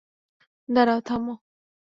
দাঁড়াও, থামো।